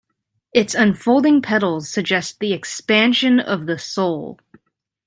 Its unfolding petals suggest the expansion of the soul.